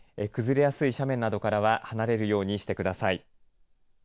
崩れやすい斜面などからは離れるようにしてください。